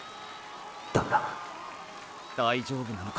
だが大丈夫なのか？